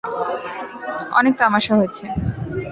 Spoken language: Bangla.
অনেক তামাশা হয়েছে।